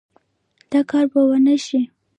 دا کار به ونشي